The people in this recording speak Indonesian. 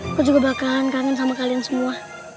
aku juga bakal kangen sama kalian semua